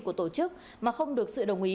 của tổ chức mà không được sự đồng ý